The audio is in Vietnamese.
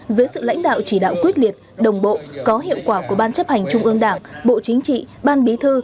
dưới sự lãnh đạo chỉ đạo quyết liệt đồng bộ có hiệu quả của ban chấp hành trung ương đảng bộ chính trị ban bí thư